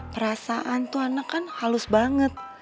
perasaan tuh anak kan halus banget